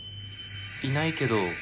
いないけど。